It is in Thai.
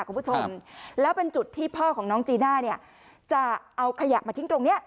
คุณผู้ชมแล้วเป็นจุดที่พ่อของน้องจีน่าเนี่ยจะเอาขยะมาทิ้งตรงนี้